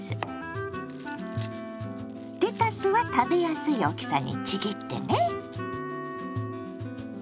レタスは食べやすい大きさにちぎってね。